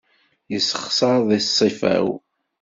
Yessexṣar di ṣṣifa-w.